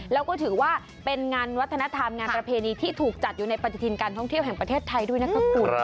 แล้วก็ถือว่าเป็นงานวัฒนธรรมงานประเพณีที่ถูกจัดอยู่ในปฏิทินการท่องเที่ยวแห่งประเทศไทยด้วยนะคะคุณ